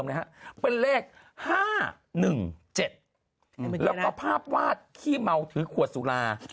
หน้าสาลาต้นเดิมนะครับเป็นเลข๕๑๗แล้วอภาพวาดขี้เมาถือขวดสูลา